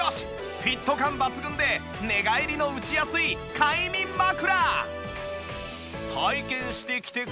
フィット感抜群で寝返りのうちやすい快眠枕！